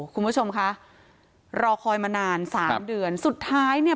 คุณผู้ชมคะรอคอยมานานสามเดือนสุดท้ายเนี่ย